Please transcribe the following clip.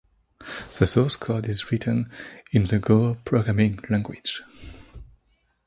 The source code is written in the Go programming language.